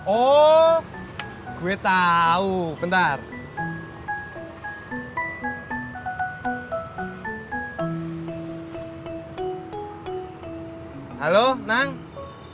oh gue tahu bentar halo nang purnama lo udah di rumahnya si ojak